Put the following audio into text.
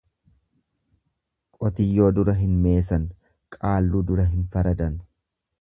Qotiyyoo dura hin meesan, qaalluu dura hin faradan.